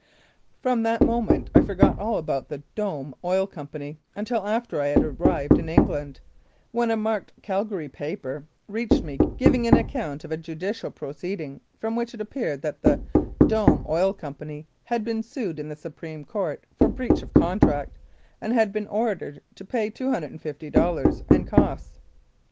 From that moment I forgot all about the " Dome " Oil Company until after I had arrived in Eng land, when a marked Calgary paper reached me giving an account of a judicial proceeding, from which it appeared that the " Dome " Oil Company had been sued in the Supreme Court for breach of contract and had been ordered to pay 250 dollars and costs.